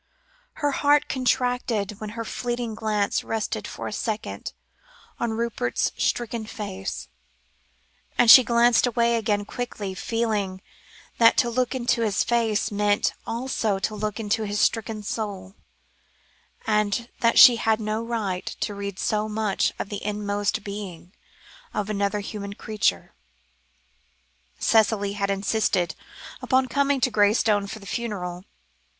Her heart contracted when her fleeting glance rested for a second on Rupert's stricken face; and she glanced away again quickly, feeling that to look into his face, meant also to look into his stricken soul, and that she had no right to read so much of the inmost being of another human creature. Cicely had insisted upon coming to Graystone for the funeral.